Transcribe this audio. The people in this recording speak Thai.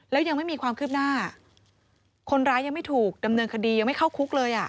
แล้วยังไม่มีความคืบหน้าคนร้ายยังไม่ถูกดำเนินคดียังไม่เข้าคุกเลยอ่ะ